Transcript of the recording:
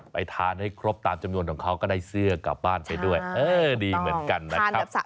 ไปทานให้ครบตามจำนวนของเขาก็ได้เสื้อกลับบ้านไปด้วยเออดีเหมือนกันนะครับ